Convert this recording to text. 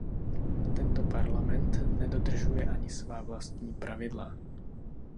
Tento Parlament nedodržuje ani svá vlastní pravidla.